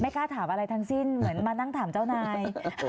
กล้าถามอะไรทั้งสิ้นเหมือนมานั่งถามเจ้านาย